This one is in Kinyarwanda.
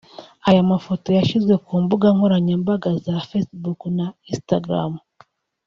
Aya mafoto yashyizwe ku mbuga nkoranyambaga za facebook na Instagram